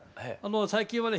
最近はね